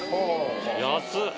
安っ。